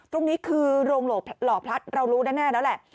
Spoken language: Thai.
ตรงนี้คือโรงหล่อพลัดเรารู้แน่แล้วแหละ